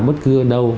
bất cứ ở đâu